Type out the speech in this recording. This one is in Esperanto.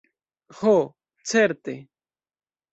Ho, certe!